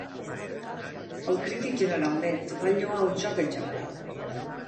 Els crítics generalment van lloar el joc en general.